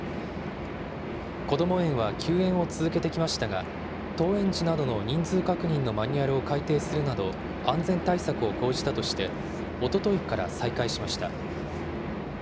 こども園は休園を続けてきましたが、登園時などの人数確認のマニュアルを改定するなど、安全対策を講じたとして、おとといから再開しました。